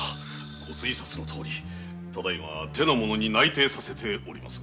ご推察のとおり現在手の者に内偵させております。